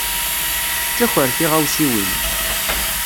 Tettaker tiɣawsiwin.